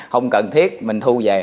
không cần thiết mình thu về